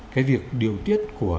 cái việc điều tiết của